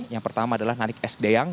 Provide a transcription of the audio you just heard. yang pertama adalah nanik s deyang